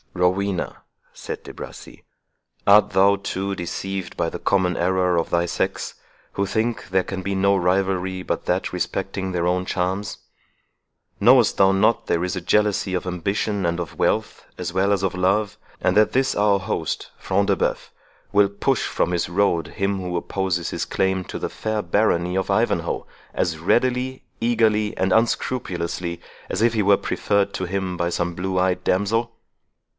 "Rowena," said De Bracy, "art thou, too, deceived by the common error of thy sex, who think there can be no rivalry but that respecting their own charms? Knowest thou not there is a jealousy of ambition and of wealth, as well as of love; and that this our host, Front de Bœuf, will push from his road him who opposes his claim to the fair barony of Ivanhoe, as readily, eagerly, and unscrupulously, as if he were preferred to him by some blue eyed damsel?